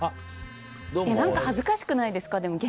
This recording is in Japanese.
恥ずかしくないですか？